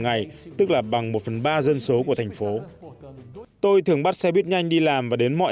ngày tức là bằng một phần ba dân số của thành phố tôi thường bắt xe buýt nhanh đi làm và đến mọi